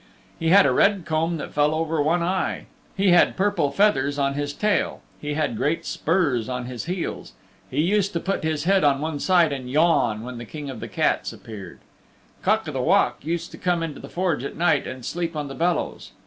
He had a red comb that fell over one eye. He had purple feathers on his tail. He had great spurs on his heels. He used to put his head on one side and yawn when the King of the Cats appeared. Cock o' the Walk used to come into the Forge at night and sleep on the bellows.